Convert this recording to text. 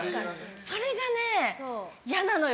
それがいやなのよ。